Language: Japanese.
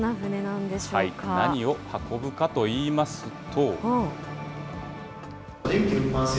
何を運ぶかといいますと。